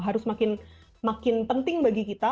harus makin penting bagi kita